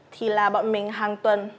thì là bọn mình hàng tuần